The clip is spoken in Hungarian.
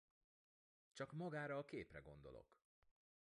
Csak magára a képre gondolok.